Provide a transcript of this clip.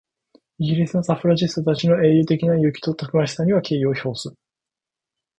イギリスのサフラジェットたちの英雄的な勇気とたくましさには敬意を表する。